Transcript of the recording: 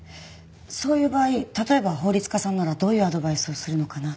そういう場合例えば法律家さんならどういうアドバイスをするのかなと。